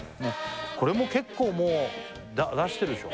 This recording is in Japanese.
これも結構もう出してるでしょ？